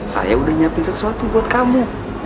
saya udah nyiapin sesuatu buat kamu